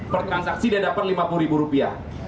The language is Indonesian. per transaksi dia dapat lima puluh ribu rupiah